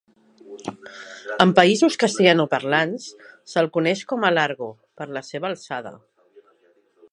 En països castellanoparlants, se'l coneix com a "Largo", per la seva alçada.